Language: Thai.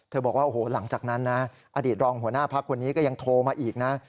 บอกว่าโอ้โหหลังจากนั้นนะอดีตรองหัวหน้าพักคนนี้ก็ยังโทรมาอีกนะ